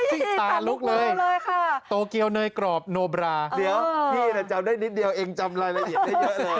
สิ่งตาลุกเลยโตเกียวเนยกรอบโนบราเดี๋ยวพี่แต่จำได้นิดเดียวเองจำไลน์มาเห็นได้เยอะเลย